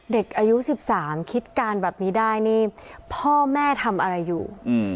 เด็กอายุ๑๓คิดการแบบนี้ได้นี่พ่อแม่ทำอะไรอยู่